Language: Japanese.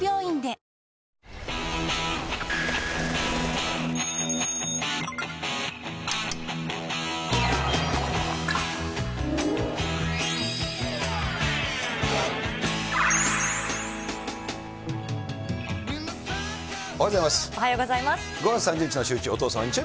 おはようございます。